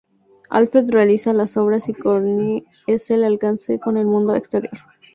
Alfred realiza las obras y Corinne es el enlace con el mundo exterior.